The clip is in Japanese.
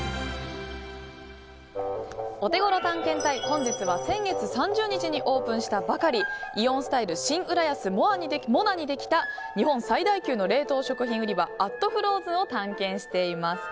オテゴロ探検隊本日は先月３０日にオープンしたばかりイオンスタイル新浦安ＭＯＮＡにできた日本最大級の冷凍食品売り場＠ＦＲＯＺＥＮを探検しています。